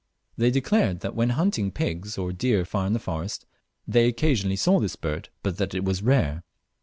They declared that when hunting pigs or deer far in the forest they occasionally saw this bird, but that it was rare.